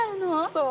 そう。